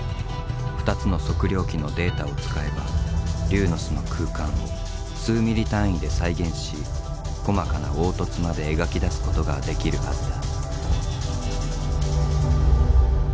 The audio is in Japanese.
２つの測量機のデータを使えば龍の巣の空間を数ミリ単位で再現し細かな凹凸まで描き出すことができるはずだ。